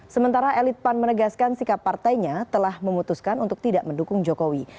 sementara elit pan menegaskan sikap partainya telah memutuskan untuk tidak mendukung jokowi